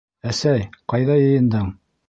Әсәй, ҡайҙа йыйындың?